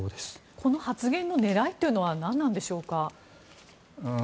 この発言の狙いというのは何なんでしょうか。